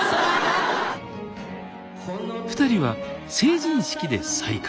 ２人は成人式で再会。